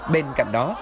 bên cạnh đó